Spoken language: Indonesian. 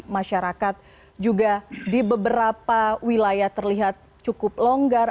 masyarakat juga di beberapa wilayah terlihat cukup longgar